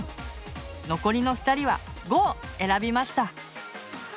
残りの２人は５を選びました。